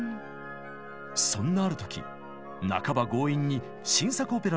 そんなある時半ば強引に新作オペラの台本を渡されます。